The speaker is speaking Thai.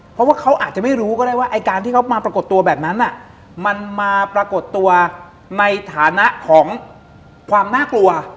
เพราะว่าเขาอาจจะไม่รู้ก็ได้ว่าไอ้การที่เขามาปรากฏตัวแบบนั้นมันมาปรากฏตัวในฐานะของความน่ากลัว